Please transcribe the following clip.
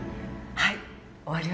はい。